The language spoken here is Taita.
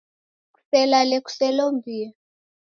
Kuselale kuselombie.